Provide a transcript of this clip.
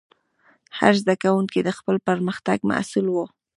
هر زده کوونکی د خپل پرمختګ مسؤل و.